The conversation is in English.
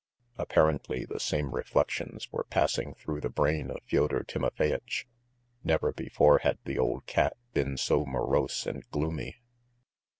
Apparently the same reflections were passing through the brain of Fyodor Timofeyitch. Never before had the old cat been so morose and gloomy.